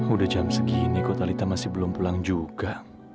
udah jam segini kok talita masih belum pulang juga